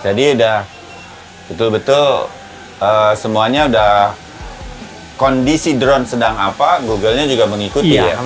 jadi udah betul betul semuanya udah kondisi drone sedang apa google nya juga mengikuti ya